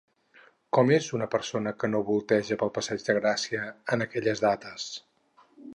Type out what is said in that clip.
Com és una persona que no volteja per passeig de Gràcia en aquelles dates?